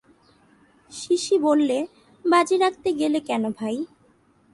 CC বললে, বাজি রাখতে গেলে কেন ভাই।